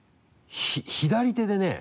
左手でね